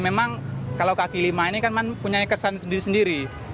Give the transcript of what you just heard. memang kalau kaki lima ini kan punya kesan sendiri sendiri